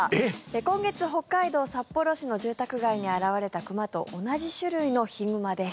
今月、北海道札幌市の住宅街に現れた熊と同じ種類のヒグマです。